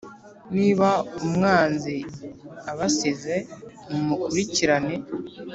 niba umwanzi abasize mumukurikirane